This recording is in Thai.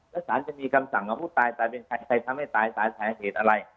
แล้วสารจะมีคำสั่งของผู้ตายตายเป็นใครใครทำให้ตายสาเหตุอะไร